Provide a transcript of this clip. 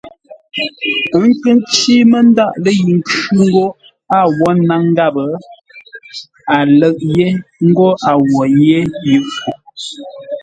A kə̂ ncí ndáʼ lə́ yi nkhʉ̂ ńgó a wó ńnáŋ gháp, a lə̂ʼ yé ńgó a wo yé yʉʼ po.